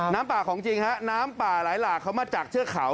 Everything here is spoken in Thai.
น้ำป่าของจริงนะครับน้ำป่าหลายหลากเข้ามาจากเชื้อเขา